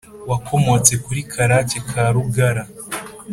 Wakomotse kuri Karake ka Rugara